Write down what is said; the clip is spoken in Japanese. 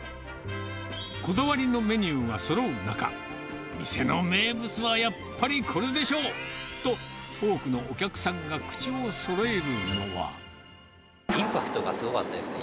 こだわりのメニューがそろう中、店の名物はやっぱりこれでしょうと、多くのお客さんが口をそろえインパクトがすごかったですね。